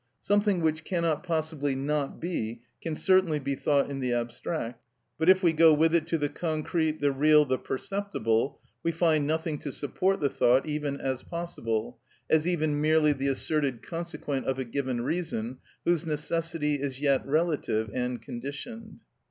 "Something which cannot possibly not be" can certainly be thought in the abstract, but if we go with it to the concrete, the real, the perceptible, we find nothing to support the thought, even as possible,—as even merely the asserted consequent of a given reason, whose necessity is yet relative and conditioned.